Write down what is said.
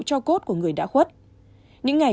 cho cốt của người đã khuất những ngày